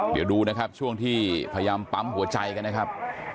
เดี๋ยวดูนะครับช่วงที่พยายามปั๊มหัวใจกันนะครับ